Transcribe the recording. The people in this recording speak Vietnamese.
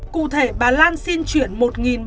cụ thể bà lan xin chuyển